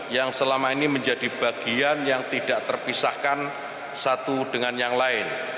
yang selama ini menjadi bagian yang tidak terpisahkan satu dengan yang lain